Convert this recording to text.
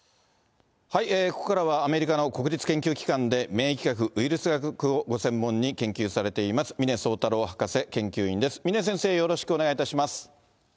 ここからはアメリカの国立研究機関で免疫学、ウイルス学をご専門に研究されています、峰宗太郎博士研究員です、峰先生、よろしくお願いいたします。